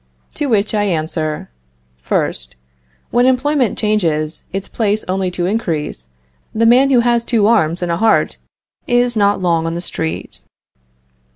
To which I answer: First. When employment changes its place only to increase, the man who has two arms and a heart is not long on the street.